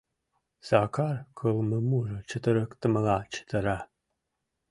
Сакар кылмымужо чытырыктымыла чытыра...